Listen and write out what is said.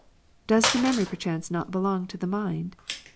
Does the memory perchance not belong to the mind